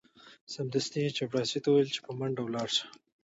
سمدستي یې چپړاسي ته وویل چې په منډه ولاړ شه.